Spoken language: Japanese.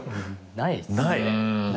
ないですね。